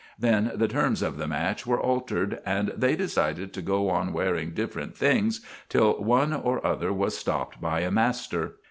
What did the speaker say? Then the terms of the match were altered, and they decided to go on wearing different things till one or other was stopped by a master.